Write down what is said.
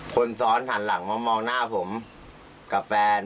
คนซ้อนหันหลังมามองหน้าผมกับแฟน